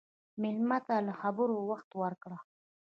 مېلمه ته له خبرو وخت ورکړه.